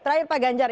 terakhir pak ganjar